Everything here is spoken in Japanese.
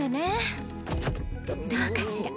どうかしら？